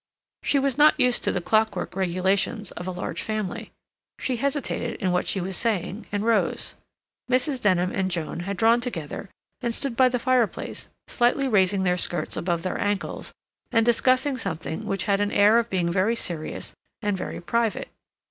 She was not used to the clockwork regulations of a large family. She hesitated in what she was saying, and rose. Mrs. Denham and Joan had drawn together and stood by the fireplace, slightly raising their skirts above their ankles, and discussing something which had an air of being very serious and very private.